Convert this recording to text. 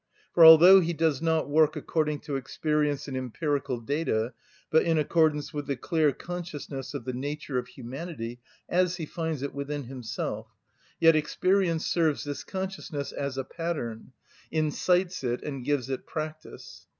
For although he does not work according to experience and empirical data, but in accordance with the clear consciousness of the nature of humanity, as he finds it within himself, yet experience serves this consciousness as a pattern, incites it and gives it practice.